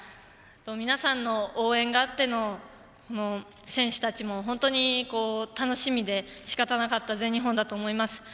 皆さんの応援があっての選手たちも本当に楽しみでしかたなかった全日本だと思います。